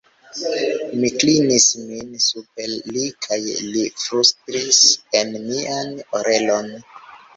Mi klinis min super li kaj li flustris en mian orelon: